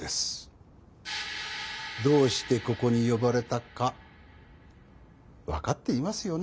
どうしてここに呼ばれたか分かっていますよね？